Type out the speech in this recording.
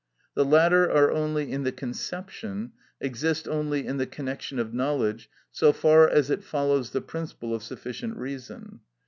The latter are only in the conception, exist only in the connection of knowledge, so far as it follows the principle of sufficient reason.